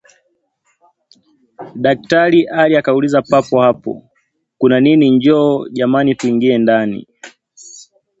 Daktari Ali akauliza papo hapo Kuna nini Njoo jamani tuingie ndani